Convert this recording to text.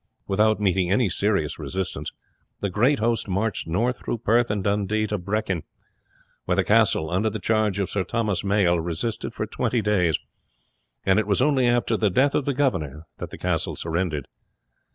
Without meeting any serious resistance the great host marched north through Perth and Dundee to Brechin, where the castle, under the charge of Sir Thomas Maille, resisted for twenty days; and it was only after the death of the governor that it surrendered.